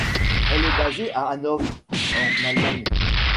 Elle est basée à Hanovre en Allemagne.